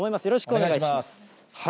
よろしくお願いします。